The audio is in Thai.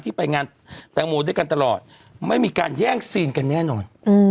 ไปงานแตงโมด้วยกันตลอดไม่มีการแย่งซีนกันแน่นอน